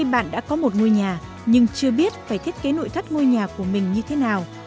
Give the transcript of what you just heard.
bạn đã có một ngôi nhà nhưng chưa biết phải thiết kế nội thất ngôi nhà của mình như thế nào